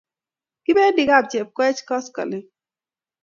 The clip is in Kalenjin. Kipendi kap Chepkoech koskoling'